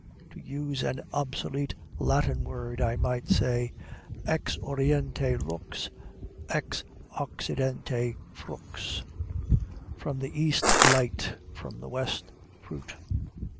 To use an obsolete Latin word, I might say, Ex Oriente lux; ex Occidente FRUX. From the East light; from the West fruit.